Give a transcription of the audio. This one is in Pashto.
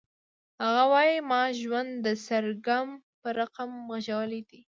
هغه وایی ما ژوند د سرګم په رقم غږولی دی